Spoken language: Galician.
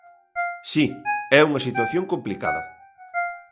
Si, é unha situación complicada.